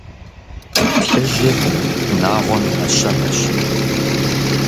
Плъыжьыр – шынагъуэм и нэщэнэщ.